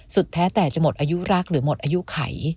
แท้แต่จะหมดอายุรักหรือหมดอายุไข